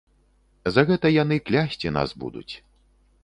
За гэта яны клясці нас будуць.